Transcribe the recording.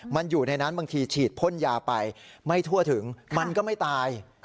มันอยู่ในนั้นบางทีฉีดพ่นยาไปไม่ทั่วถึงมันก็ไม่ตาย